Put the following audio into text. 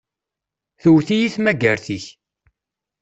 Tewwet-iyi tmagart-ik.